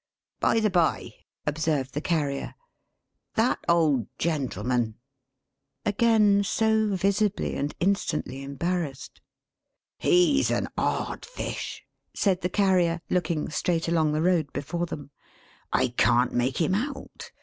"By the bye " observed the Carrier. "That old gentleman," Again so visibly, and instantly embarrassed. "He's an odd fish," said the Carrier, looking straight along the road before them. "I can't make him out.